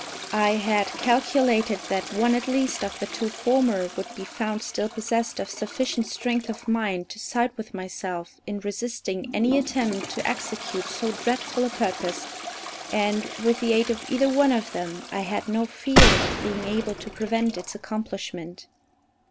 I had calculated that one at least of the two former would be found still possessed of sufficient strength of mind to side with myself in resisting any attempt to execute so dreadful a purpose, and, with the aid of either one of them, I had no fear of being able to prevent its accomplishment.